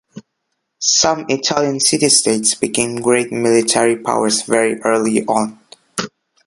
Some Italian city-states became great military powers very early on.